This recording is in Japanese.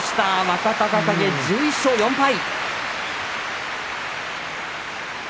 若隆景、１１勝４敗。